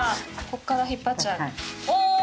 ここから引っ張っちゃう？